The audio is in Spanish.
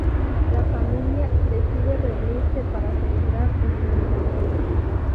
La familia decide reunirse para celebrar el nombramiento.